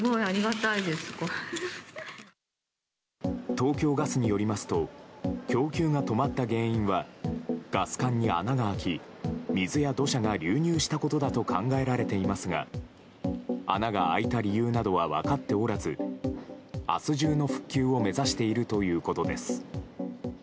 東京ガスによりますと供給が止まった原因はガス管に穴が開き水や土砂が流入したことだと考えられていますが穴が開いた理由などは分かっておらず、明日中の復旧を目指しているということです。